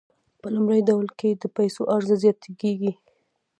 په لومړي ډول کې د پیسو عرضه زیاته کیږي.